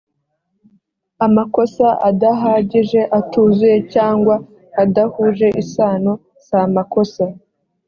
amakosa adahagije atuzuye cyangwa adahuje isano samakosa